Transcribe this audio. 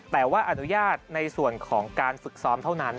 แต่ว่าอนุญาตในส่วนของการฝึกซ้อมเท่านั้น